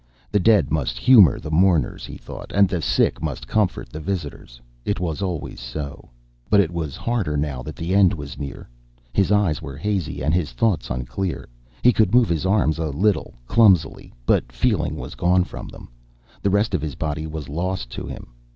The dead must humor the mourners, he thought, and the sick must comfort the visitors. It was always so. But it was harder, now that the end was near. His eyes were hazy, and his thoughts unclear. He could move his arms a little, clumsily, but feeling was gone from them. The rest of his body was lost to him.